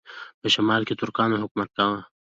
په شمال کې ترکانو حکومت کاوه.